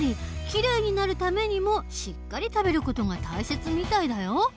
きれいになるためにもしっかり食べる事が大切みたいだよ。